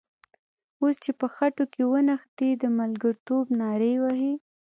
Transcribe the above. اوس چې په خټو کې ونښتې د ملګرتوب نارې وهې.